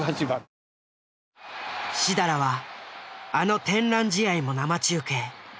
設楽はあの天覧試合も生中継。